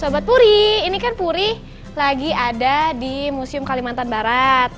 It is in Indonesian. sobat puri ini kan puri lagi ada di museum kalimantan barat